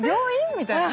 みたいな。